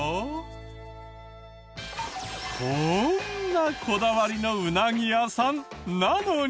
こんなこだわりのウナギ屋さんなのに。